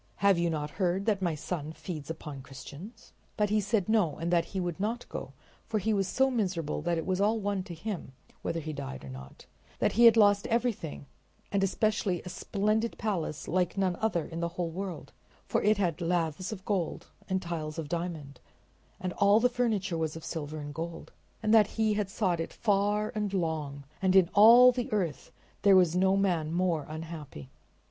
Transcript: Have you not heard that my son feeds upon Christians?" But he said no and that he would not go, for he was so miserable that it was all one to him whether he died or not; that he had lost everything, and especially a splendid palace like none other in the whole world, for it had laths of gold and tiles of diamond and all the furniture was of silver and gold; and that he had sought it far and long, and in all the earth there was no man more unhappy.